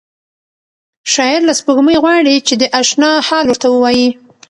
شاعر له سپوږمۍ غواړي چې د اشنا حال ورته ووایي.